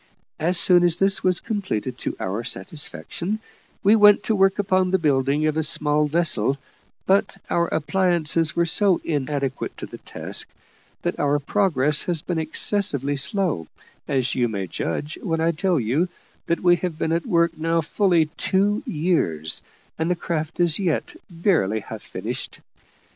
As soon as this was completed to our satisfaction, we went to work upon the building of a small vessel but our appliances were so inadequate to the task, that our progress has been excessively slow, as you may judge when I tell you that we have been at work now fully two years, and the craft is yet barely half finished.